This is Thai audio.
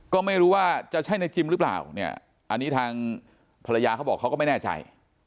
ก็ไม่รู้ว่าจะใช่ในจิมหรือเปล่าเนี่ยอันนี้ทางภรรยาเขาบอกเขาก็ไม่แน่ใจ